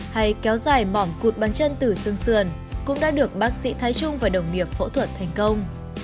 hay kéo dài mỏm cụt băng chân từ xương sườn cũng đã được bác sĩ thái trung và đồng nghiệp phẫu thuật thành công